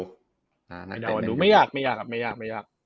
ไปเดากันดูไม่ยากไม่ยาก